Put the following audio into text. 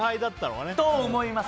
と思います。